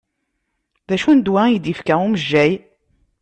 D acu n ddwa i k-d-ifka umejjay?